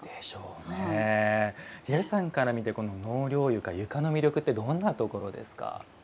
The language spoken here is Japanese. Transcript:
ジェフさんから見てこの納涼床床の魅力ってどんなところですか。